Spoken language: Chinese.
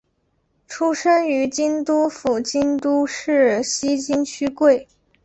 出身于京都府京都市西京区桂。